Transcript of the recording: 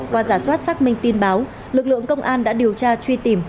qua giả soát xác minh tin báo lực lượng công an đã điều tra truy tìm